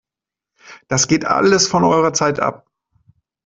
Das geht alles von eurer Zeit ab!